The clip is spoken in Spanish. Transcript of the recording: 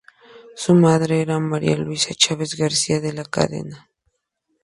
Su madre era María Luisa Chávez García de la Cadena.